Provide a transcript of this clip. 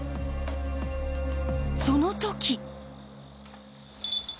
その時！